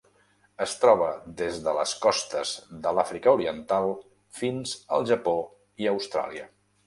Es troba des de les costes de l'Àfrica Oriental fins al Japó i Austràlia.